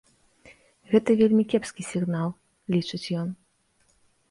Гэта вельмі кепскі сігнал, лічыць ён.